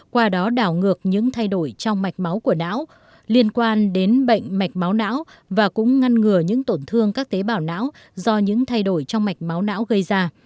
qua đó đảo ngược những thay đổi trong mạch máu của não liên quan đến bệnh mạch máu não và cũng ngăn ngừa những tổn thương các tế bào não do những thay đổi trong mạch máu não gây ra